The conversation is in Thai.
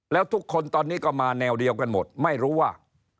แล้วทุกคนตอนนี้ก็มาแนวเดียวกันหมดไม่รู้ว่า